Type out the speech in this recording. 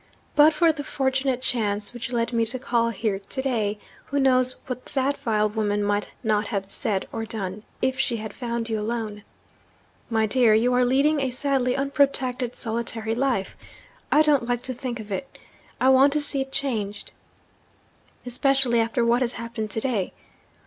'But for the fortunate chance which led me to call here to day who knows what that vile woman might not have said or done, if she had found you alone? My dear, you are leading a sadly unprotected solitary life. I don't like to think of it; I want to see it changed especially after what has happened to day.